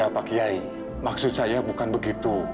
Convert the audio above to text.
pak kiai maksud saya bukan begitu